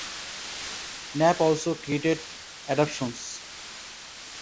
Knapp also created adaptations.